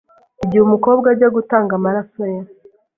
Igihe umukobwa ajya gutanga amaraso ye